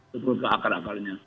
terus ke akar akarnya